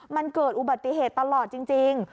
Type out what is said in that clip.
มันเกิดอุบัติเหตุตลอดจริง